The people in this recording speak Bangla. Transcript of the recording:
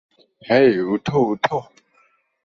হেই, উঠো, উঠো!